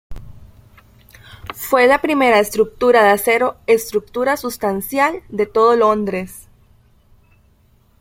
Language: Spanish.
Fue la primera estructura de acero estructura sustancial de todo Londres.